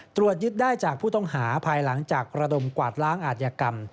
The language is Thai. ตรวจยึดได้จากผู้ต้องหาภายหลังจากระดมกวาดล้างอาจยกรรม